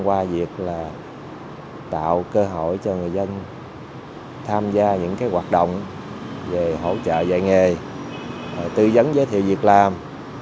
qua việc tạo cơ hội cho người dân tham gia những hoạt động về hỗ trợ dạy nghề tư vấn giới thiệu việc làm